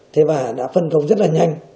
thế và đã phân công rất là nhanh